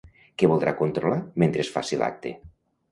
Què voldrà controlar mentre es faci l'acte?